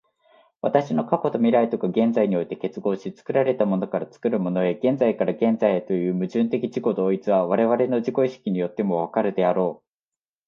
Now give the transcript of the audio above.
私の過去と未来とが現在において結合し、作られたものから作るものへ、現在から現在へという矛盾的自己同一は、我々の自己意識によっても分かるであろう。